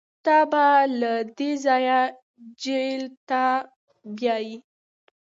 تا به له دې ځايه جېل ته بيايي.